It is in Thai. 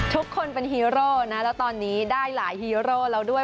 ทุกคนเป็นฮีโร่นะแล้วตอนนี้ได้หลายฮีโร่แล้วด้วย